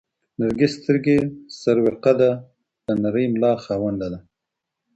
نرګس سترګې، سروه قده، د نرۍ ملا خاونده ده